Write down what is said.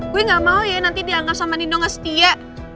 gue gak mau ya nanti dianggap sama nino nggak setia